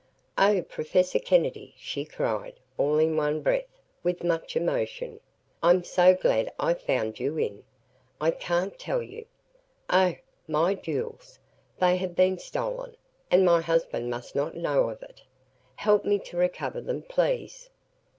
"Oh, Professor Kennedy," she cried, all in one breath, with much emotion, "I'm so glad I found you in. I can't tell you. Oh my jewels! They have been stolen and my husband must not know of it. Help me to recover them please!"